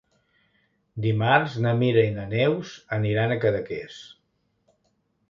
Dimarts na Mira i na Neus aniran a Cadaqués.